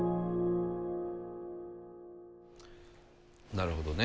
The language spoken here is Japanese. なるほどね。